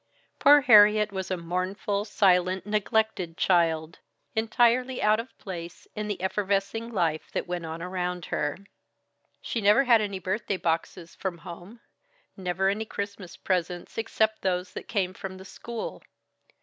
Poor Harriet was a mournful, silent, neglected child; entirely out of place in the effervescing life that went on around her. She never had any birthday boxes from home, never any Christmas presents, except those that came from the school.